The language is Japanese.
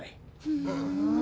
ふん。